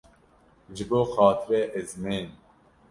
Ji bo xatirê ezmên.